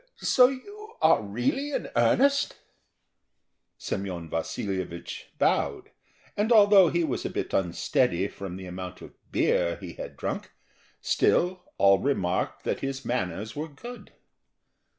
So you are really in earnest?" Semyon Vasilyevich bowed, and although he was a bit unsteady from the amount of beer he had drunk, still all remarked that his manners were good.